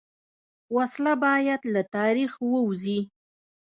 وسله باید له تاریخ ووځي